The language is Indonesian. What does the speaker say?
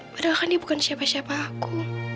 padahal kan dia bukan siapa siapa aku